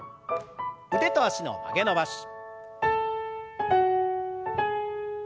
腕と脚の曲げ伸ばし。